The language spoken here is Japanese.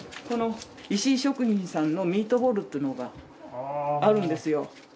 この石井食品さんのミートボールっていうのがあるんですよ。